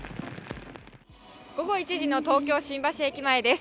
午後１時の東京・新橋駅前です。